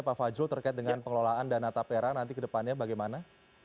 pak fajrul terkait dengan pengelolaan dana tapera nanti ke depannya bagaimana